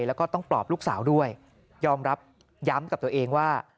แล้วก็ต้องปลอบลูกสาวด้วยยอมรับย้ำกับตัวเองว่า